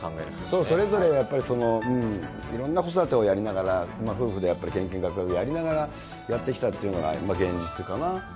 それぞれがやっぱりいろんな子育てをやりながら、夫婦でやっぱり、けんけんがくがくやりながらやってきたというのが現実かな。